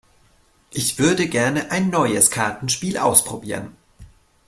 Ich würde gerne ein neues Kartenspiel ausprobieren.